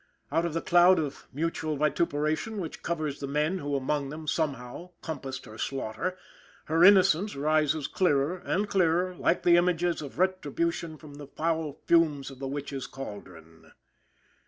Out of the cloud of mutual vituperation, which covers the men who, among them, somehow, compassed her slaughter, her innocence rises clearer and clearer, like the images of retribution from the foul fumes of the witches' cauldron.